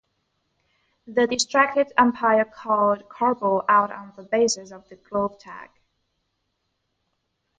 The distracted umpire called Carbo out on the basis of the glove tag.